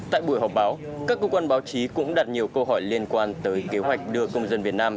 tại buổi họp báo các cơ quan báo chí cũng đặt nhiều câu hỏi liên quan tới kế hoạch đưa công dân việt nam